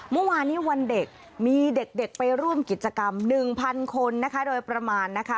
เมื่อวานนี้วันเด็กมีเด็กไปร่วมกิจกรรม๑๐๐คนนะคะโดยประมาณนะคะ